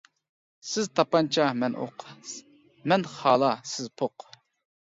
سىز تاپانچا مەن ئوق، مەن خالا سىز پوق.